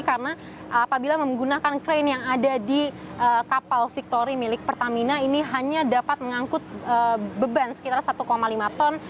karena apabila menggunakan crane yang ada di kapal victory milik pertamina ini hanya dapat mengangkut beban sekitar satu lima ton